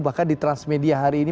bahkan di transmedia hari ini